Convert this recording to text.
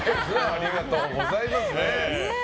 ありがとうございます。